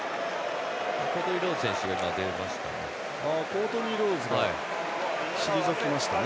コートニー・ローズ選手が出ましたね。